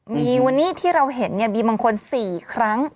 มีวันนี้ที่เราเห็นมีบางคน๔ครั้ง